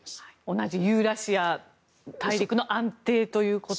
同じユーラシア大陸の安定ということを。